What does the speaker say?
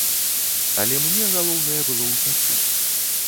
Але мне галоўнае было ўцячы.